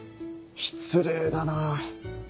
失礼だなぁ。